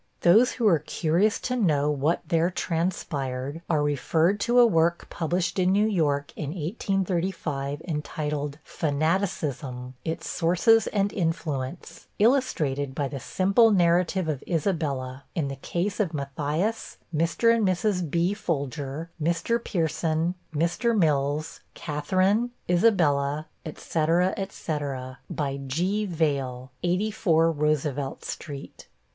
Those who are curious to know what there transpired are referred to a work published in New York in 1835, entitled 'Fanaticism; its Sources and Influence; illustrated by the simple Narrative of Isabella, in the case of Matthias, Mr. and Mrs. B. Folger, Mr. Pierson, Mr. Mills, Catharine, Isabella, &c. &c. By G. Vale, 84 Roosevelt street.'